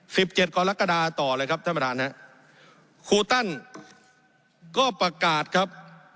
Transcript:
สิบเจ็ดกรกฎาต่อเลยครับท่านประธานฮะครูตันก็ประกาศครับ